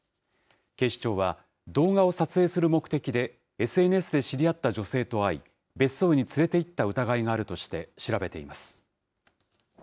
警視庁は、動画を撮影する目的でＳＮＳで知り合った女性と会い、別荘に連れていった疑いがあるとして、調べています。